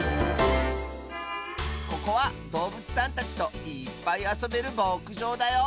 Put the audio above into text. ここはどうぶつさんたちといっぱいあそべるぼくじょうだよ。